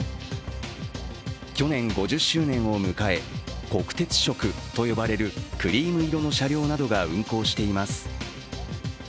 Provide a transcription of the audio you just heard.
去年、５０周年を迎え国鉄色と呼ばれるクリーム色の車両などが運行しています。